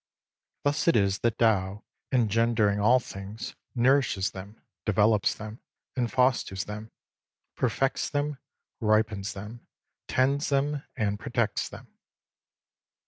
Thus it is that Tao, engendering all things, nourishes them, develops them, and fosters them ; perfects them, ripens them, tends them, and pro tects them.